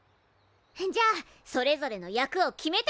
じゃあそれぞれの役を決めて読むべし。